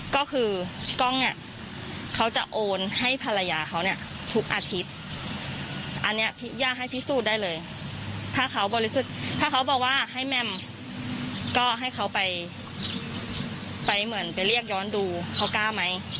ก็คือกล้องเนี่ยเขาจะโอนให้ภรรยาเขาเนี่ยทุกอาทิตย์อันนี้พี่ย่าให้พิสูจน์ได้เลยถ้าเขาบริสุทธิ์ถ้าเขาบอกว่าให้แม่มก็ให้เขาไปเหมือนไปเรียกย้อนดูเขากล้าไหม